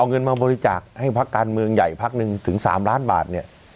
เอาเงินมาบริจาคให้พักการเมืองใหญ่พักหนึ่งถึง๓ล้านบาทเนี่ย